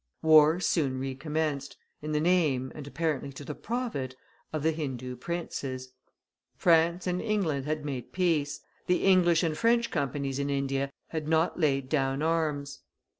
War soon recommenced, in the name, and apparently to the profit, of the Hindoo princes. France and England had made peace; the English and French Companies in India had not laid down arms.